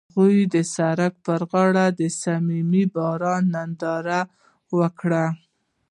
هغوی د سړک پر غاړه د صمیمي باران ننداره وکړه.